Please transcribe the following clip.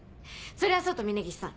それはそうと峰岸さん